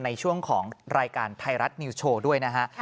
ในช่วงของรายการไทยรัฐนิวสโชว์ด้วยนะฮะ